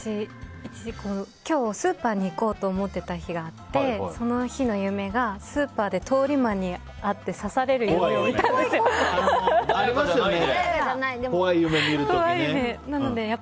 今日スーパーに行こうと思っていた日があってその日の夢がスーパーで通り魔に遭ってありますよね、怖い夢見ると。